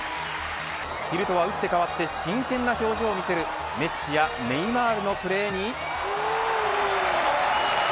昼とは、うって変わって真剣な表情を見せるメッシやネイマールのプレーに。